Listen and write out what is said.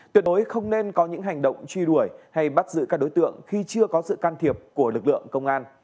tuyệt đối không nên có những hành động truy đuổi hay bắt giữ các đối tượng khi chưa có sự can thiệp của lực lượng công an